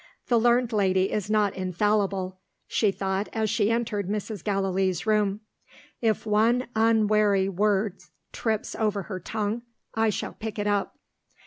"The learned lady is not infallible," she thought as she entered Mrs. Gallilee's room. "If one unwary word trips over her tongue, I shall pick it up!"